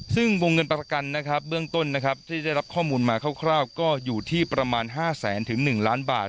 ซึ่งวงเงินประกันนะครับเบื้องต้นนะครับที่ได้รับข้อมูลมาคร่าวก็อยู่ที่ประมาณ๕แสนถึง๑ล้านบาท